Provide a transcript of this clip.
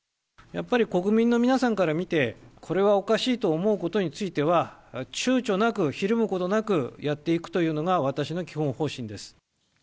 やっぱり国民の皆さんから見て、これはおかしいと思うことについては、ちゅうちょなく、ひるむことなく、やっていくというのが、私の基本方針です。